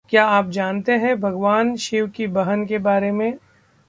क्या आप जानते हैं भगवान शिव की बहन के बारे में...